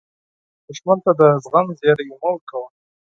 دښمن ته د زغم زیری مه ورکوه